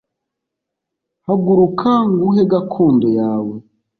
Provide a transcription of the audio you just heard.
haguruka nguhe gakondo yawe